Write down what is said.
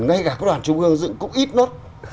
ngay cả các đoàn trung ương dựng cũng ít nốt